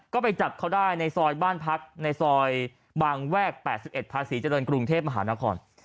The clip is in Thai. ก็ไปจับเขาได้ในซอยบ้านพักในซอยบางแวก๘๑ภาษีเจริญกรุงเทพมหานคร